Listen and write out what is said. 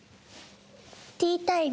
ティータイム。